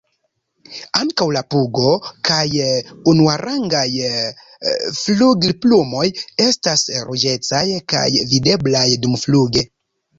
Ankaŭ la pugo kaj unuarangaj flugilplumoj estas ruĝecaj kaj videblaj dumfluge.